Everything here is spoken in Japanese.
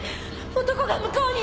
男が向こうに！